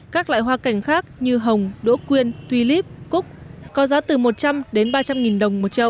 các loại hoa cành khác như hồng đỗ quyên tuy líp cúc có giá từ một trăm linh ba trăm linh nghìn đồng một trậu